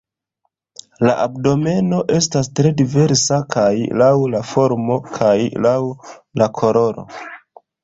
La abdomeno estas tre diversa, kaj laŭ la formo kaj laŭ la koloro.